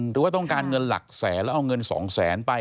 หรือว่าต้องการเงินหลักแสนแล้วเอาเงิน๒แสนไป